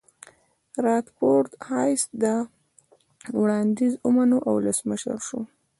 رادرفورد هایس دا وړاندیز ومانه او ولسمشر شو.